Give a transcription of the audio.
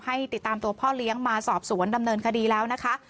ให้ติดตามตัวพ่อเลี้ยงมาสอบสวนดำเนินคดีแล้วนะคะ